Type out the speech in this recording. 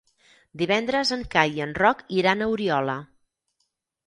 Divendres en Cai i en Roc iran a Oriola.